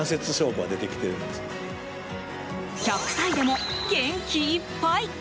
１００歳でも元気いっぱい！